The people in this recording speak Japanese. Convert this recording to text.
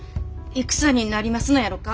戦になりますのやろか？